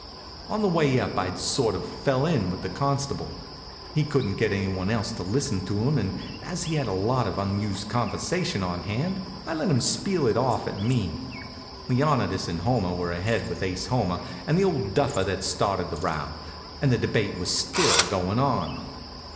On the way up I'd sort of fell in with the constable. He couldn't get any one else to listen to him, and as he had a lot of unused conversation on hand I let him spiel it off at me. Leonidas and Homer were ahead with Ase Homer and the old duffer that started the row, and the debate was still goin' on.